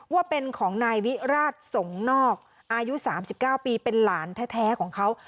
ว่าเป็นของนายวิราชสงนอกอายุ๓๙ปีเป็นหลานแท้ของเขา